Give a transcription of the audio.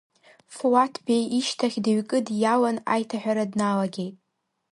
Фуаҭ Беи ишьҭахь дыҩкыдиалан аиҭаҳәара дналагеит.